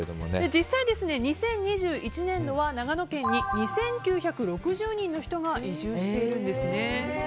実際、２０２１年度は長野県に２９６０人の人が移住しているんですね。